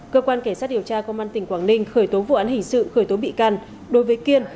cơ quan cảnh sát điều tra công an tỉnh quảng ninh khởi tố vụ án hình sự khởi tố bị can đối với kiên